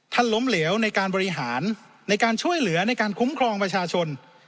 ล้มเหลวในการบริหารในการช่วยเหลือในการคุ้มครองประชาชน